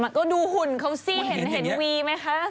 ก็ดูหุ่นเขาสิเห็นวีไหมคะ